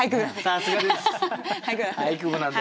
さすがです！